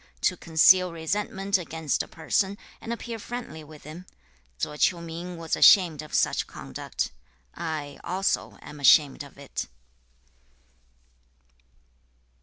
To conceal resentment against a person, and appear friendly with him; Tso Ch'iu ming was ashamed of such conduct. I also am ashamed of it.'